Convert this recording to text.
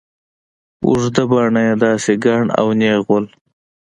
اوږده باڼه يې داسې گڼ او نېغ وو.